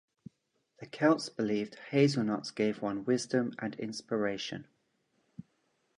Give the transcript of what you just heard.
The Celts believed hazelnuts gave one wisdom and inspiration.